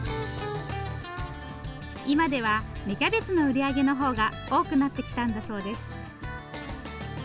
今では芽キャベツの売り上げのほうが多くなってきたんだそうです。